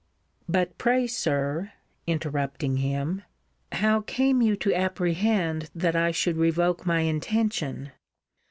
But pray, Sir, interrupting him, how came you to apprehend that I should revoke my intention?